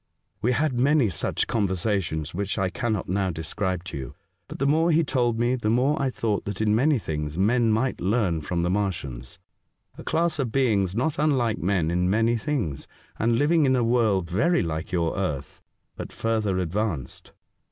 ^^^^ We had many such conversations, which I cannot now describe to you, but the more he told me, the more I thought that in many things men might learn from the Martians — a class of beings not unlike men in many things, and living in a world very like your earth, but further advanced.